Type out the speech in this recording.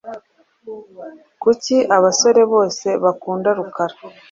Kuki abasore bose bakunda Rukara ?